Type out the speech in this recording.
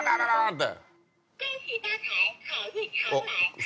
って。